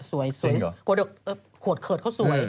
สวยขวดเขิดเขาสวย